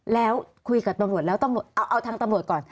แล้วคุยกับตำรวจเอาทางตำรวจก่อน